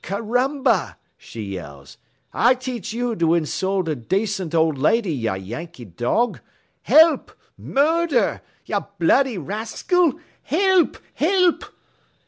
"'Caramba!' she yells; 'I teach ye to insult a dacent old lady, you Yankee dog. Help! Murder! ye bloody raskil! Help, help!'